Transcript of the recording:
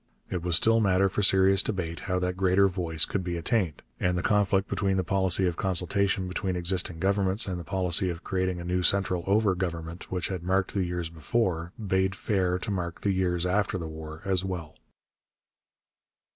It was still matter for serious debate how that greater voice could be attained, and the conflict between the policy of consultation between existing governments and the policy of creating a new central over government, which had marked the years before, bade fair to mark the years after the war as well.